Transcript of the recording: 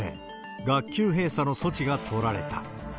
学級閉鎖の措置が取られた。